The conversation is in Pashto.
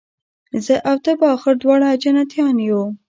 زه او ته به آخر دواړه جنتیان یو